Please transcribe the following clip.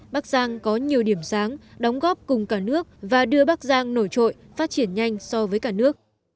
bắc giang có nhiều điểm sáng đóng góp cùng cả nước và đưa bắc giang nổi trội phát triển nhanh so với cả nước